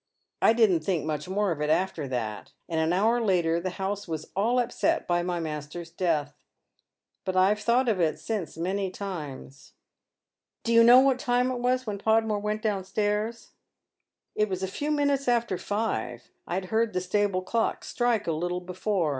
I didn't think nmch more of it after that, and an hour later the house was all upset by my master's death. But I've thought of it since many times." " Do you know what time it was when Podmore went down stairs ?"" It was a few minutes after five. I'd heard the stable clock Atrike a little before.